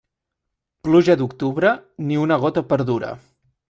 Pluja d'octubre, ni una gota perdura.